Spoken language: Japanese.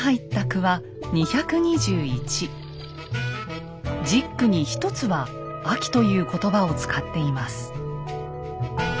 １０句に一つは「秋」ということばを使っています。